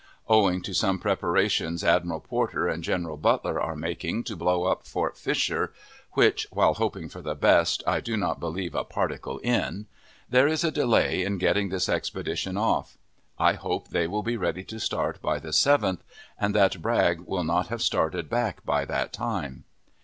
Owing to some preparations Admiral Porter and General Butler are making to blow up Fort Fisher (which, while hoping for the best, I do not believe a particle in), there is a delay in getting this expedition off. I hope they will be ready to start by the 7th, and that Bragg will not have started back by that time.